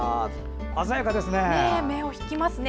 鮮やかですね。